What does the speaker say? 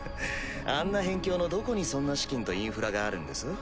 あんな辺境のどこにそんな資金とインフラがあるんです？